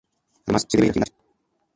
Además se debe ir al gimnasio".